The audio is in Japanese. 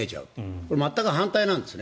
これ、全く反対なんですね。